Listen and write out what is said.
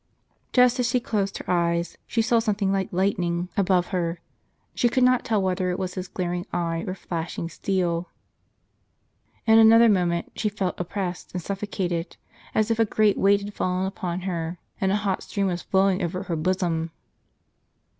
Just as she closed her "eyes, she saw something like lightning above her ; she could not tell whether it was his glaring eye or flashing steel. In another moment she felt oppressed and suffocated, as if a great weight had fallen upon her ; and a hot stream was flowing over her bosom.